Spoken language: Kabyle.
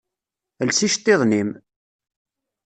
Els iceṭṭiḍen-im!